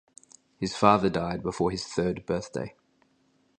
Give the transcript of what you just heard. His father died before his third birthday.